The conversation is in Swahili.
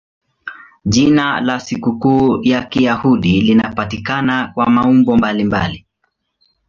Jina la sikukuu ya Kiyahudi linapatikana kwa maumbo mbalimbali.